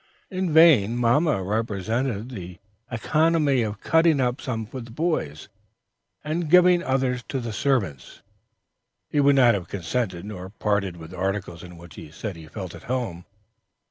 In vain mamma represented the economy of cutting up some for the boys, and giving others to the servants; he would not consent, nor part with articles in which he said he felt at home.